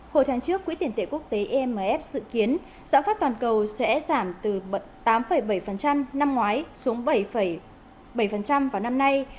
hồi tháng trước quỹ tiền tệ quốc tế imf dự kiến giá phát toàn cầu sẽ giảm từ tám bảy năm ngoái xuống bảy bảy vào năm nay